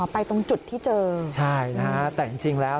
ตรงจุดที่เจอใช่นะฮะแต่จริงจริงแล้ว